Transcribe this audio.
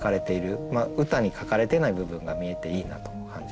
歌に書かれてない部分が見えていいなと感じました。